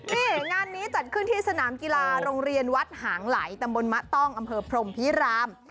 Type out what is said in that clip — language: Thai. นี่งานนี้จัดขึ้นที่สนามกีฬาโรงเรียนวัดหางไหลตำบลมะต้องอำเภอพรมพิราม